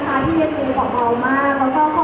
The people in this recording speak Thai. แล้วก็ทุกคนมากระยะขนาดนี้